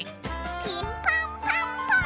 ピンポンパンポーン！